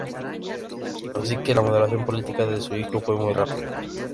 Así que la maduración política de su hijo fue muy rápida.